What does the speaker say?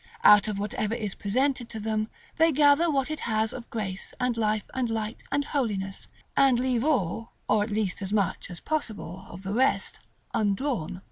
Out of whatever is presented to them, they gather what it has of grace, and life, and light, and holiness, and leave all, or at least as much as possible, of the rest undrawn.